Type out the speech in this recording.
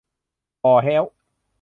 บ่อแฮ้ว